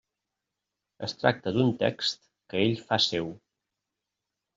Es tracta d'un text que ell fa seu.